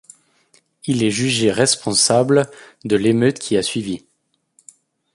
Il est jugé responsable de l’émeute qui a suivi.